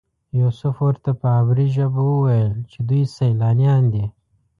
یوسف ورته په عبري ژبه وویل چې دوی سیلانیان دي.